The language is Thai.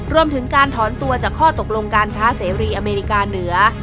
รวมถึงการถอนตัวจากข้อตกลงการค้าเสรีอเมริกาเหนือ